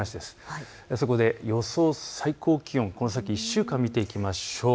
そこで予想最高気温、この先１週間見てみましょう。